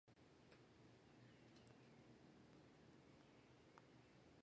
逝者羅斯福